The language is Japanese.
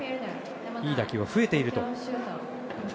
いい打球は増えていると。